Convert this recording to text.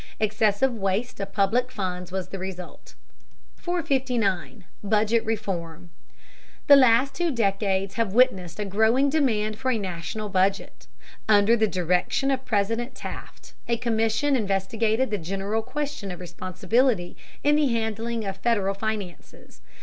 Excessive waste of public funds was the result. 459. BUDGET REFORM. The last two decades have witnessed a growing demand for a national budget. Under the direction of President Taft a commission investigated the general question of responsibility in the handling of Federal finances.